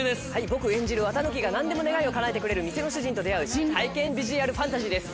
僕演じる四月一日が何でも願いをかなえてくれる店の主人と出会う新体感ビジュアルファンタジーです。